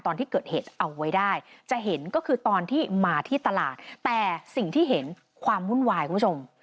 ตอนที่เกิดเหตุเอาไว้ได้จะเห็นก็คือตอนที่มาที่ตลาดแต่สิ่งที่เห็นความวุ่นวายคุณผู้ชม